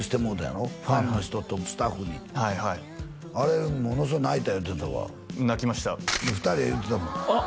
はいはいファンの人とスタッフにはいはいあれものすごう泣いた言ってたわ泣きました２人が言ってたもんあっ